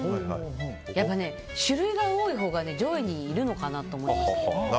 やっぱり、種類が多いほうが上位にいるのかなと思って。